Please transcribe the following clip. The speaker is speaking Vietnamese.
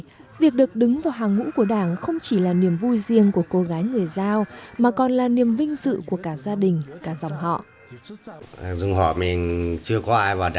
vì vậy việc được đứng vào hàng ngũ của đảng không chỉ là niềm vui riêng của cô gái người giao mà còn là niềm vinh dự của cả gia đình cả dòng họ